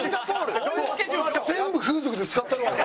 全部風俗で使ったるわ。